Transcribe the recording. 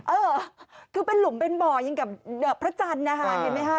เออคือเป็นหลุมเป็นบ่อยิงกับพระจันทร์นะคะเห็นไหมคะ